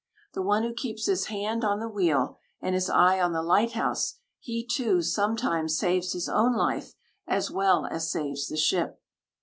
The one who keeps his hand on the wheel, and his eye on the lighthouse, he, too, sometimes saves his own life, as well as saves the ship.